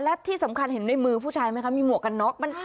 และที่สำคัญเห็นในมือผู้ชายไหมคะมีหมวกกันน็อก